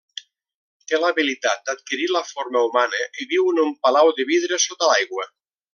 Té l'habilitat d'adquirir la forma humana i viu en un palau de vidre sota l'aigua.